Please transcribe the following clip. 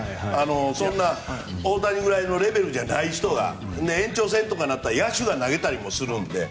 そんな大谷ぐらいのレベルじゃない人が延長戦とかになったら野手が投げたりするので。